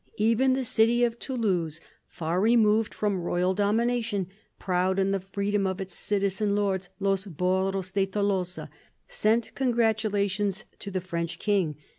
Even the city of Toulouse, far removed from royal domination, proud in the freedom of its citizen lords, " los baros de Tolosa," sent congratulations to the French king.